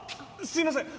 すいません。